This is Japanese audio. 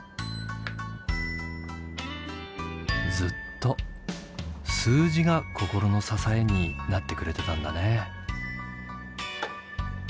ずっと数字が心の支えになってくれてたんだね。